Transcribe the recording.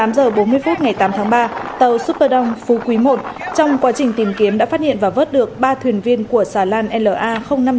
vào lúc một mươi tám h bốn mươi phút ngày tám tháng ba tàu superdong phú quý i trong quá trình tìm kiếm đã phát hiện và vớt được ba thuyền viên của xà lan la năm nghìn chín trăm hai mươi hai